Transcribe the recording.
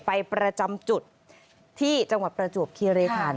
ประจำจุดที่จังหวัดประจวบคิริคัน